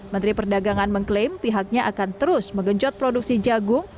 menteri perdagangan mengklaim pihaknya akan terus menggenjot produksi jagung